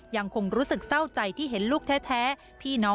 ยังคงรู้สึกเศร้าใจที่เห็นลูกแท้พี่น้อง